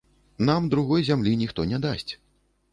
Нам другой зямлі ніхто не дасць.